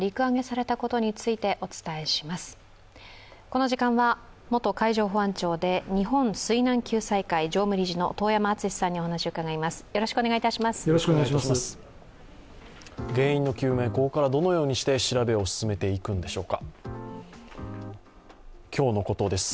この時間は、元海上保安庁で日本水難救済会常務理事の遠山純司さんにお話を伺います。